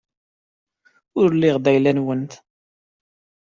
Ur lliɣ d ayla-nwent.